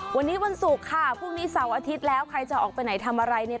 วันนี้วันศุกร์ค่ะพรุ่งนี้เสาร์อาทิตย์แล้วใครจะออกไปไหนทำอะไรเนี่ย